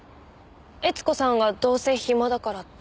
悦子さんがどうせ暇だからって。